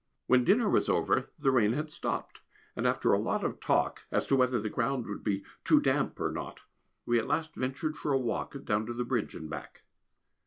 When dinner was over the rain stopped, and after a lot of talk as to whether the ground would be too damp or not we at last ventured for a walk down to the bridge and back.